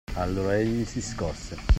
Allora, egli si scosse.